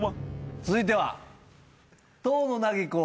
続いては。